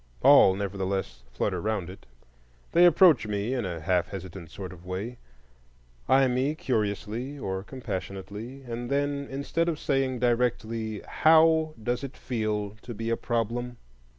All, nevertheless, flutter round it. They approach me in a half hesitant sort of way, eye me curiously or compassionately, and then, instead of saying directly, How does it feel to be a problem?